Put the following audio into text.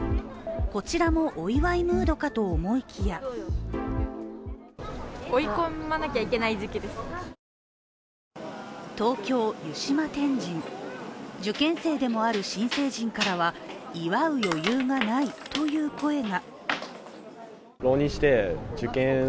こちらもお祝いムードかと思いきや東京・湯島天神受験生でもある新成人からは、祝う余裕がないという声が。